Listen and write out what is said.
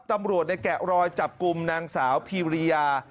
ตำรวจในแกะรอยจับกลุ่มนางสาวพีริยา